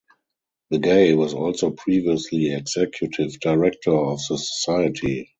Begay was also previously executive director of the society.